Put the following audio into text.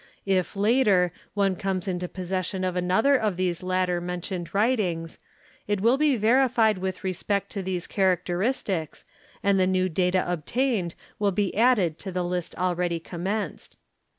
If, later, one comes into possession f another of these latter mentioned writings it will be verified with resp to these characteristics and the new data obtained will be added to t list already commenced.